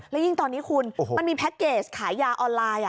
และยิ่งตอนนี้คุณมันมีแพ็คเกจขายยาออนไลน์